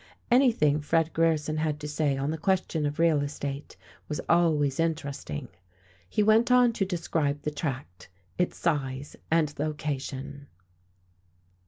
Anything Fred Grierson had to say on the question of real estate was always interesting. He went on to describe the tract, its size and location.